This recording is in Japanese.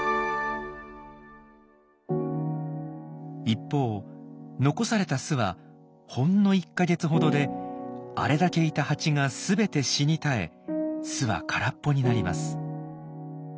一方残された巣はほんの１か月ほどであれだけいたハチが全て死に絶え巣は空っぽになります。